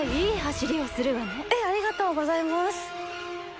ありがとうございます。